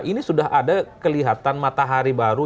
ini sudah ada kelihatan matahari baru